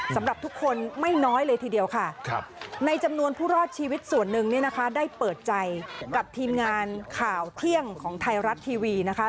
สำหรับทุกคนไม่น้อยเลยทีเดียวค่ะในจำนวนผู้รอดชีวิตส่วนหนึ่งเนี่ยนะคะได้เปิดใจกับทีมงานข่าวเที่ยงของไทยรัฐทีวีนะคะ